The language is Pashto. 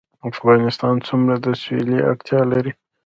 افغانستان څومره د سولې اړتیا لري؟